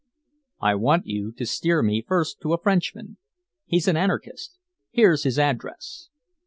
"I want you to steer me first to a Frenchman. He's an anarchist. Here's his address."